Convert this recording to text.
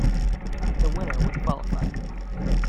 The winner would qualify.